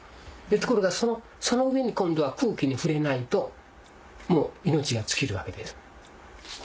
ところがその上に今度は空気に触れないともう命が尽きるわけです。